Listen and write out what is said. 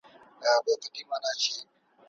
دا د قهوې پرتله اراموونکی دی.